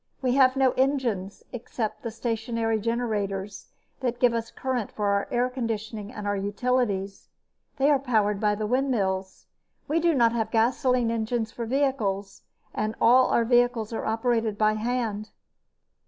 We have no engines except the stationary generators that give us current for our air conditioning and our utilities. They are powered by the windmills. We do not have gasoline engines for vehicles, so our vehicles are operated by hand."